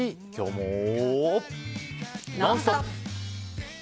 「ノンストップ！」。